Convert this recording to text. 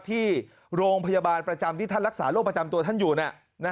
ที่โรงพยาบาลประจำที่ท่านรักษาโรคประจำตัวท่านอยู่